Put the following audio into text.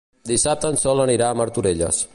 Dissabte en Sol anirà a Martorelles.